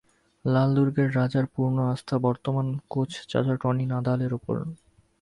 লাল দুর্গের রাজার পূর্ণ আস্থা বর্তমান কোচ চাচা টনি নাদালের ওপর।